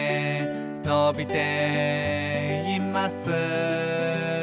「のびています」